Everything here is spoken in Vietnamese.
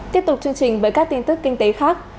tiếp tục chương trình với các tin tức kinh tế khác